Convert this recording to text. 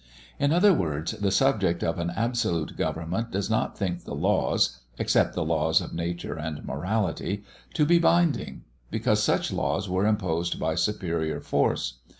In other words: the subject of an absolute government does not think the laws except the laws of nature and morality to be binding, because such laws were imposed by superior force.